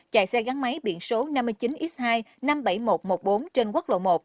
chạy xe gắn máy biển số năm mươi chín x hai năm mươi bảy nghìn một trăm một mươi bốn trên quốc lộ một